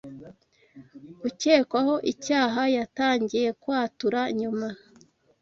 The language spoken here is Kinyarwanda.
Ukekwaho icyaha yatangiye kwatura nyuma. (